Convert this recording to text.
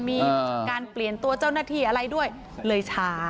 มีการเปลี่ยนตัวเจ้าหน้าที่อะไรด้วยเลยช้า